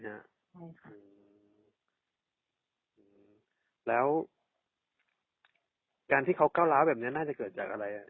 ใช่ค่ะแล้วการที่เขาก้าวร้าวแบบนี้น่าจะเกิดจากอะไรอ่ะ